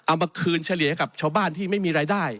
เอามาคืนเฉลี่ยกับชาวบ้านที่ไม่มีรายได้